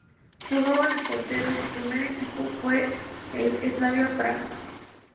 Jugaba de portero y su primer equipo fue el Slavia Praga.